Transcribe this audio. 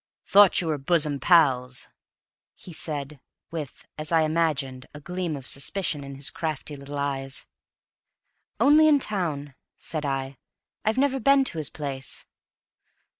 "Thought you were bosom pals?" said he, with (as I imagined) a gleam of suspicion in his crafty little eyes. "Only in town," said I. "I've never been to his place."